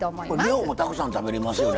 量もたくさん食べれますよね